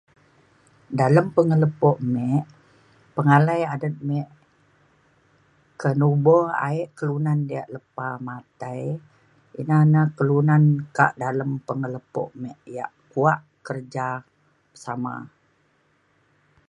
dalem pengelepuk mik, pengalai adet mik ke nubo aik kelunan diak lepa matai ina ne kelunan ka' dalem pengelepuk mik ya' kuak kerjasama.